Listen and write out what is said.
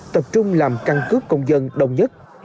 tập trung làm căn cứ công dân đồng nhất